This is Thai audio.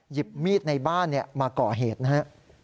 หยิบมีดในบ้านมาก่อเหตุนะฮะ